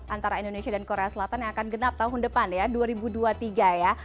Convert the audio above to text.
antara indonesia dan korea selatan yang akan genap tahun depan ya dua ribu dua puluh tiga ya